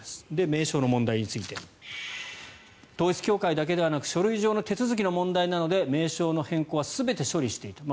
名称の問題について統一教会だけではなく書類上の手続きの問題なので名称の変更は全て処理していた。